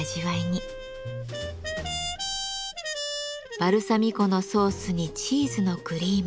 バルサミコのソースにチーズのクリーム。